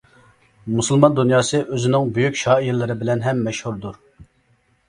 مۇسۇلمان دۇنياسى ئۆزىنىڭ بۈيۈك شائىرلىرى بىلەن ھەم مەشھۇردۇر.